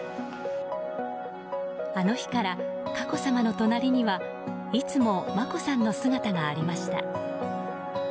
あの日から佳子さまの隣にはいつも眞子さんの姿がありました。